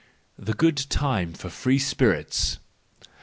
The Good Time for Free Spirits.